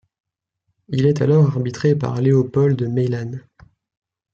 Il est alors arbitré par Léopold Mailhan.